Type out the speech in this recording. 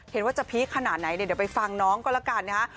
เห็นว่าจะพีคขนาดไหนเนี่ยเดี๋ยวไปฟังน้องก็แล้วกันนะฮะ